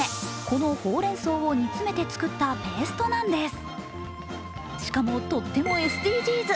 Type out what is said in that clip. このほうれんそうを煮詰めて作ったペーストなんです。